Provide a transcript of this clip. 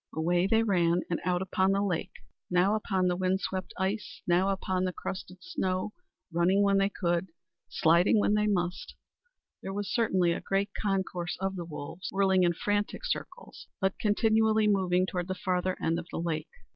Away they ran and out upon the lake; now upon the wind swept ice, now upon the crusted snow; running when they could, sliding when they must. There was certainly a great concourse of the wolves, whirling in frantic circles, but continually moving toward the farther end of the lake.